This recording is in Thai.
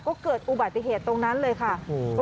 ก็เกิดอุบัติเหตุตรงนั้นเลยค่ะ